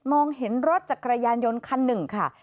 เห็นรถจักรยานยนต์คันหนึ่งค่ะ